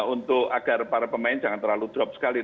untuk agar para pemain jangan terlalu drop sekali